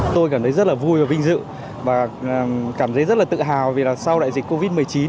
tôi cảm thấy rất là vui và vinh dự và cảm thấy rất là tự hào vì là sau đại dịch covid một mươi chín